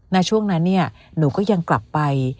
ณช่วงนั้นหนูก็ยังกลับไป